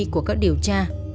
của các điều tra